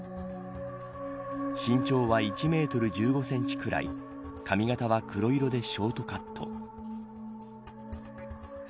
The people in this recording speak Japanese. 身長は１メートル１５センチくらい髪形は黒色でショートカット。